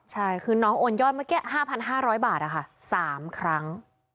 ใช่คือน้องโอนยอดเมื่อกี้๕๕๐๐บาท๓ครั้ง